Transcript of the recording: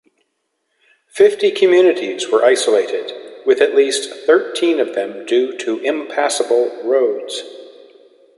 Fifty communities were isolated, with at least thirteen of them due to impassable roads.